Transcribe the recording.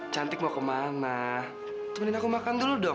cantik mau kemana temenin aku makan dulu dong